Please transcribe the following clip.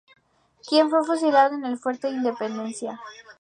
Quien fue fusilado en el Fuerte Independencia.